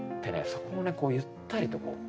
そこをゆったりとこう。